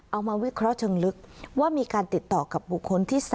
วิเคราะห์เชิงลึกว่ามีการติดต่อกับบุคคลที่๓